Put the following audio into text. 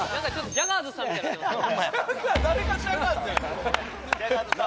ジャガーズさんっぽいね。